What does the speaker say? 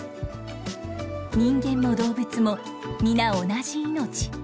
人間も動物も皆同じ命。